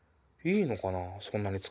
いいのかな？